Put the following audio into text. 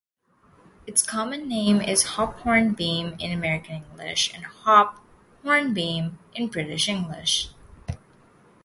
Its common name is hophornbeam in American English and hop-hornbeam in British English.